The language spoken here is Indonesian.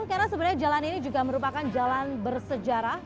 soalnya jalan ini juga merupakan jalan bersejarah